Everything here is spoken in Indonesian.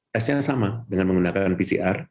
tesnya sama dengan menggunakan pcr